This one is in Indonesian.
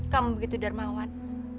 kamu begitu dermawan